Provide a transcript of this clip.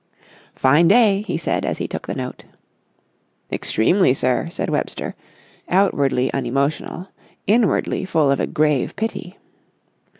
"Fine day," he said, as he took the note. "Extremely, sir," said Webster, outwardly unemotional, inwardly full of a grave pity.